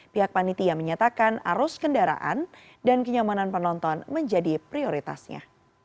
pihak panitia menyatakan arus kendaraan dan kenyamanan penonton menjadi prioritasnya